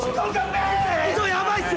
部長やばいっす！